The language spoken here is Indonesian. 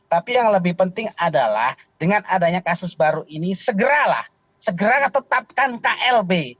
tapi yang lebih penting adalah dengan adanya kasus baru ini segeralah segera tetapkan klb